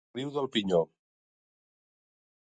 Sant Feliu del Pinyó.